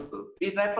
jadi pembina apple